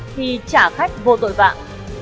thì trả khách vô tội vạng